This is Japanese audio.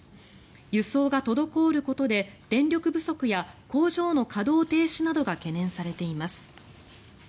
輸送が滞ることで電力不足や工場の稼働停止などが懸念されています。